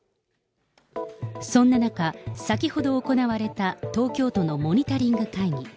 そんな中、先ほど行われた東京都のモニタリング会議。